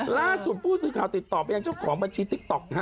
ล่าสุดผู้สื่อข่าวติดต่อไปยังเจ้าของบัญชีติ๊กต๊อก